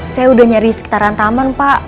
saya udah nyari sekitaran taman pak